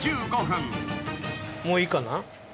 ・もういいかな。